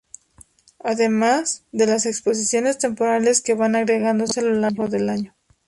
Además, de las exposiciones temporales que van agregándose a lo largo del año.